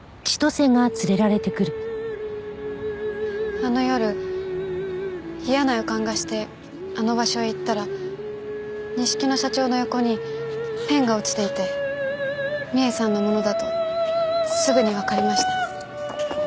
あの夜嫌な予感がしてあの場所へ行ったら錦野社長の横にペンが落ちていて美絵さんのものだとすぐにわかりました。